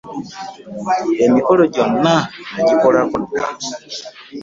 Emikolo gyonna nagikolako dda.